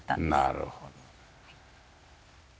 なるほど。